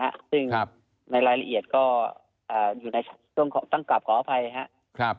ซึ่งในรายละเอียดก็ต้องกลับขออภัยนะครับ